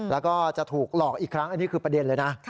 แล้วก็จะถูกหลอกอีกครั้งอันนี้คือประเด็นเลยนะ